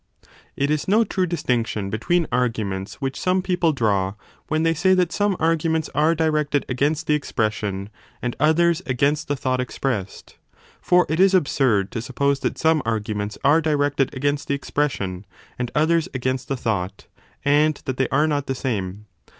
It is no true distinction between arguments which some 10 people draw when they say that some arguments are directed against the expression, and others against the thought expressed : for it is absurd to suppose that some 1 5 arguments are directed against the expression and others against the thought, and that they are not the same.